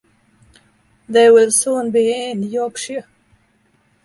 They will soon be in Yorkshire.